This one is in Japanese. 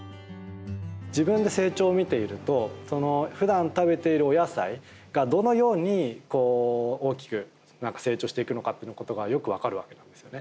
自分で成長を見ているとふだん食べているお野菜がどのように大きく成長していくかっていうことがよく分かるわけですね。